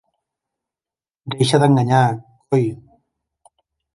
Deixa d'enganyar, coi!